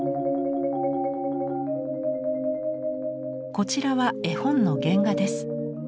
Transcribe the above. こちらは絵本の原画です。